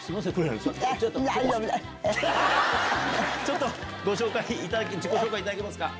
ちょっと自己紹介いただけますか。